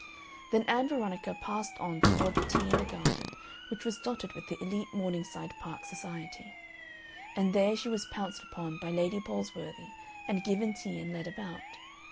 Then Ann Veronica passed on toward the tea in the garden, which was dotted with the elite of Morningside Park society, and there she was pounced upon by Lady Palsworthy and given tea and led about.